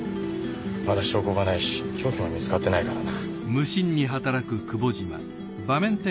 まだ証拠がないし凶器も見つかってないからな。